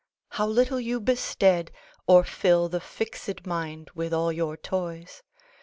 How little you bested ............Or fill the fixed mind with all your toys!